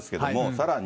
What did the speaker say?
さらに。